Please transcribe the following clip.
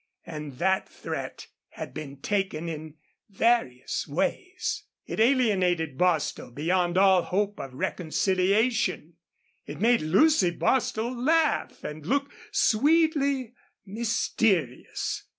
And that threat had been taken in various ways. It alienated Bostil beyond all hope of reconciliation. It made Lucy Bostil laugh and look sweetly mysterious.